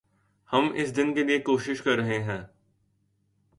ہم اس دن کے لئے کوشش کررہے ہیں